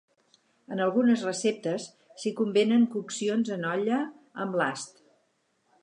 En algunes receptes s'hi convenen coccions en olla amb l'ast.